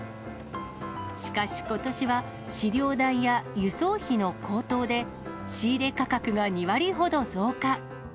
しかし、ことしは飼料代や輸送費の高騰で、仕入れ価格が２割ほど増加。